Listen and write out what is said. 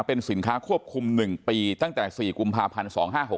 เป็นสินค้าควบคุม๑ปีตั้งแต่๔กุมภาพันธ์๒๕๖๖